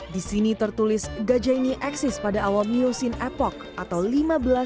di sini tertulis gajah ini eksis pada awal miosin epoch atau limit